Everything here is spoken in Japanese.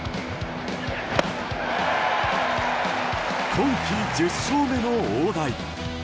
今季１０勝目の大台。